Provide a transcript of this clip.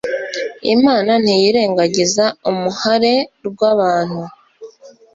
Imana ntiyirengagiza umhare rw'abantu.